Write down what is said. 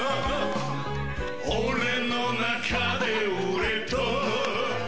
俺の中で俺と